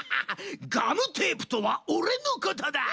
ガムテープとはオレのことだ！